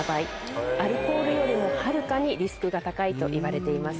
アルコールよりもはるかにリスクが高いといわれています。